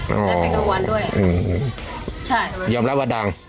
ได้เป็นกลางวันด้วยอืมใช่ยอมรับว่าดัง